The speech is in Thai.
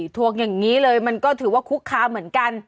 ทวงอย่างนี้เลยมันก็ถือว่าคุกคามเหมือนกัน